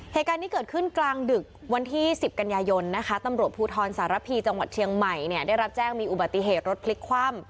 เหตุการณ์นี้เกิดขึ้นกลางดึกวันที่๑๐กันยายนนะคะตำรวจภูทรสารพีจังหวัดเชียงใหม่เนี่ยได้รับแจ้งมีอุบัติเหตุรถพลิกคว่ำ